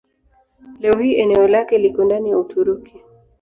Leo hii eneo lake liko ndani ya Uturuki.